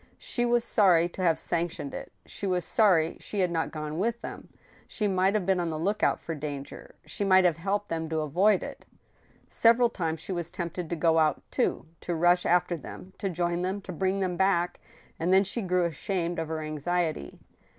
She was sorry to have sanctioned it ; she was sorry she had not gone with them. She might have been on the lookout for danger ; she might have helped them to avoid it. Several times she was tempted to go out, too, to rush after them, to join them, to bring them back ; and then she grew ashamed of her anxiety.